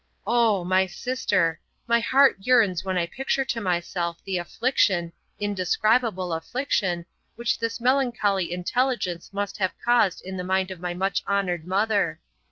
'Oh! my sister, my heart yearns when I picture to myself the affliction, indescribable affliction, which this melancholy intelligence must have caused in the mind of my much honoured mother.